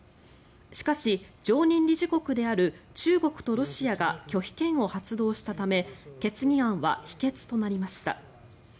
しかし、常任理事国である中国とロシアが拒否権を発動したため決議案は否決となりました。